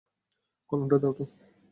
কলমটা দাও তো।